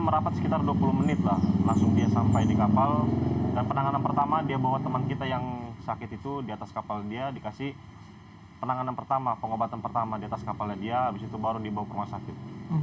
merapat sekitar dua puluh menit lah langsung dia sampai di kapal dan penanganan pertama dia bawa teman kita yang sakit itu di atas kapal dia dikasih penanganan pertama pengobatan pertama di atas kapalnya dia habis itu baru dibawa ke rumah sakit